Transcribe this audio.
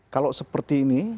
kalau seperti ini